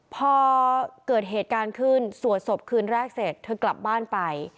พอเกิดเหตุการณ์ขึ้นสวดศพคืนแรกเสร็จเธอกลับบ้านไป